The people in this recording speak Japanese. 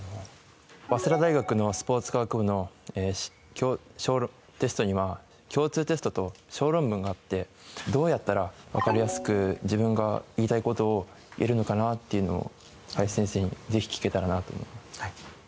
早稲田大学のスポーツ科学部のテストには共通テストと小論文があってどうやったらわかりやすく自分が言いたい事を言えるのかなっていうのを林先生にぜひ聞けたらなと思います。